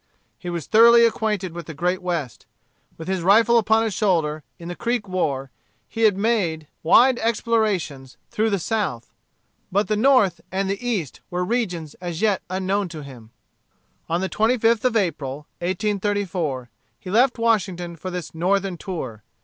He was thoroughly acquainted with the Great West. With his rifle upon his shoulder, in the Creek War, he had made wide explorations through the South. But the North and the East were regions as yet unknown to him. On the 25th of April, 1834, he left Washington for this Northern tour.